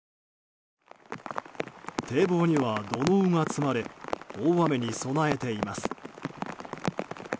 堤防には土のうが積まれ大雨に備えています。